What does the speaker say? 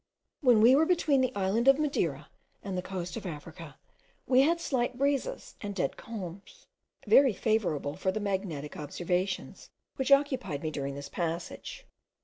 When we were between the island of Madeira and the coast of Africa, we had slight breezes and dead calms, very favourable for the magnetic observations, which occupied me during this passage.